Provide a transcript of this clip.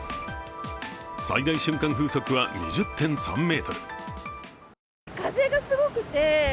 最大瞬間風速は２０．３メートル。